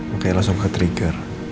makanya langsung ketrigger